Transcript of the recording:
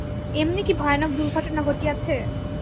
এমনি কী ভয়ানক দুর্ঘটনা ঘটিয়াছে!